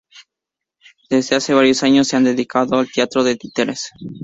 Desde hace varios años se ha dedicado al teatro de títeres.